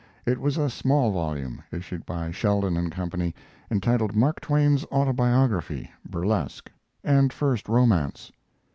It was a small volume, issued by Sheldon & Co., entitled Mark Twain's Autobiography (Burlesque) and First Romance.